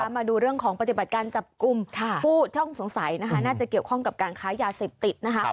มาดูเรื่องของปฏิบัติการจับกลุ่มผู้ต้องสงสัยนะคะน่าจะเกี่ยวข้องกับการค้ายาเสพติดนะคะ